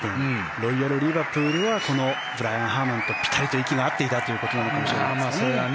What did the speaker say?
ロイヤル・リバプールはこのブライアン・ハーマンとピタリと息が合っていたということなのかもしれないですね。